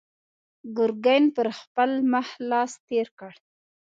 ګرګين پر خپل مخ لاس تېر کړ.